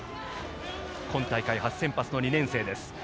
今大会初先発の２年生です。